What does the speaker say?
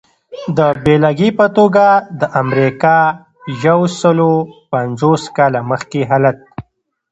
د بېلګې په توګه د امریکا یو سلو پنځوس کاله مخکې حالت.